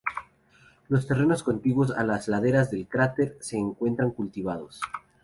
Los terrenos contiguos a las laderas del cráter se encuentran cultivados.